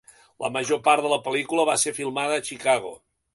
La major part de la pel·lícula va ser filmada a Chicago.